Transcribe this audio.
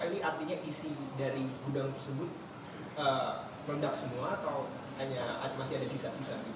jadi dari gudang tersebut mendatang semua atau hanya masih ada sisa sisa